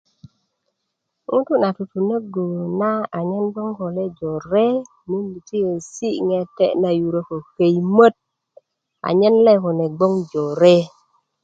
ko ŋutu na tutunöghu na anyen gboŋ ko le jore ti yesi' ŋete' na yurö ko köyimöt anyen le kine gboŋ jore